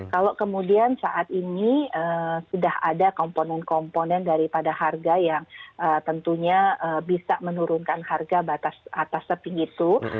kalau kemudian saat ini sudah ada komponen komponen daripada harga yang tentunya bisa menurunkan harga batas atas seping itu